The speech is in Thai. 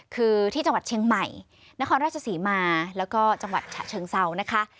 คือที่จังหวัดเชียงใหม่นครราชศรีมาแล้วก็จังหวัดฉะเชิงเซานะคะ